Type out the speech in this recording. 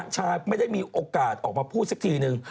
ชาไม่ได้มีโอกาสออกมาพูดสักทีนึง